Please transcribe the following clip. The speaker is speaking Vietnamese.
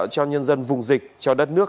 cho nhân dân vùng dịch cho đất nước